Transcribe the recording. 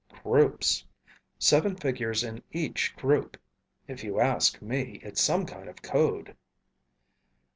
"Groups. Seven figures in each group. If you ask me, it's some kind of code."